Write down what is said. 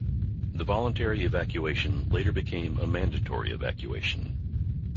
The voluntary evacuation later became a mandatory evacuation.